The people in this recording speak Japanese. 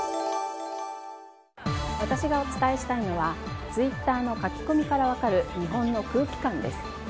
私がお伝えしたいのはツイッターの書き込みから分かる日本の空気感です。